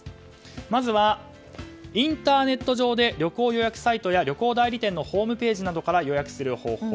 まずはインターネット上で旅行予約サイトや旅行代理店のホームページから予約する方法。